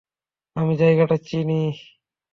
আমি জায়গাটা চিনি।